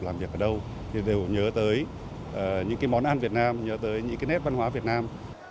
làm việc ở đâu thì đều nhớ tới những cái món ăn việt nam nhớ tới những cái nét văn hóa việt nam